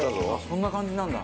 そんな感じになるんだ。